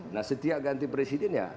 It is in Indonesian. nah setiap ganti presiden ya